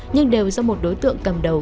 nhưng đều do một đối tượng cầm đầu